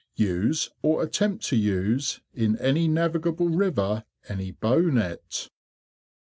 4. Use or attempt to use, in any navigable river, any Bow Net.